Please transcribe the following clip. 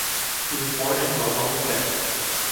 He was born into a humble family.